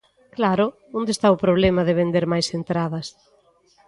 Claro, ¿onde está o problema de vender máis entradas?